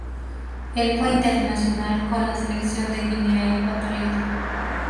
Él fue internacional con la selección de Guinea Ecuatorial.